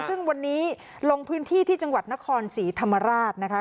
ซึ่งวันนี้ลงพื้นที่ที่จังหวัดนครศรีธรรมราชนะคะ